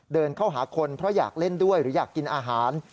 เดินเข้าหาคนเพราะอยากเล่นด้วยหรืออยากกินอาหาร